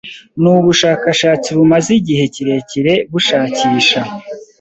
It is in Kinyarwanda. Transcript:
ni ubushakashatsi bumaze igihe kirekire bushakisha